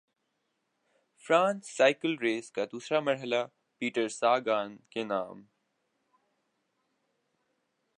France cycle race کا دوسرا مرحلہ پیٹرساگان کے نام